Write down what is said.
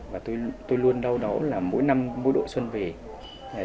và tôi luôn đau đó là mỗi năm mỗi đội xuân về